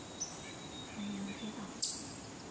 南阳街道